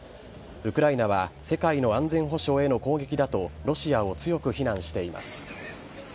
ウクライナは世界の安全保障への攻撃だとロシアを強く非難しています。